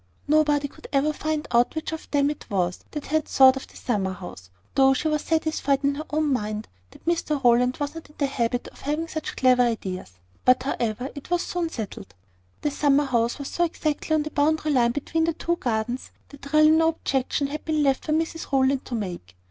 Nobody could ever find out which of them it was that had thought of the summerhouse, though she was satisfied in her own mind that Mr Rowland was not in the habit of having such clever ideas; but, however, it was soon settled. The summer house was so exactly on the boundary line between the two gardens, that really no objection had been left for Mrs Rowland to make.